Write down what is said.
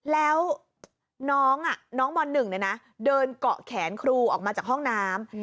แล้วน้องม๑เดินเกาะแขนครูออกมาจากห้องน้ำ